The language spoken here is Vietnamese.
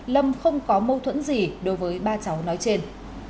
lâm không có mâu thuẫn gì đối với ba cháu nói trên